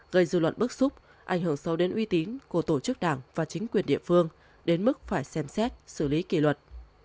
gây dư luận bức xúc ảnh hưởng sâu đến uy tín của tổ chức đảng và chính quyền địa phương đến mức phải xem xét xử lý kỷ luật